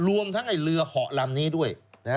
รวมทั้งเรือเหาะลำนี้ด้วย